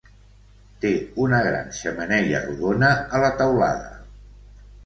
Té una gran xemeneia rodona a la taulada.